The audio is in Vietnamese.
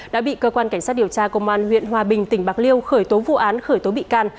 đã bị cơ quan cảnh sát điều tra công an huyện hòa bình tỉnh bạc liêu khởi tố vụ án khởi tố bị can